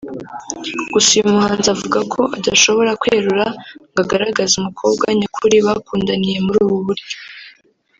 Gusa uyu muhanzi avuga ko adashobora kwerura ngo agaragaze umukobwa nyakuri bakundaniye muri ubu buryo